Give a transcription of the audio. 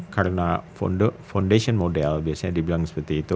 karena foundation model biasanya dibilang seperti itu